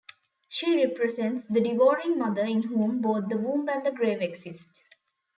She represents the devouring mother, in whom both the womb and the grave exist.